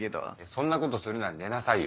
そんなことするなら寝なさいよ。